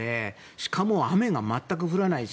しかも、雨が全く降らないし。